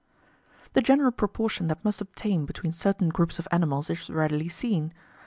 The general proportion that must obtain between certain groups of animals is readily seen.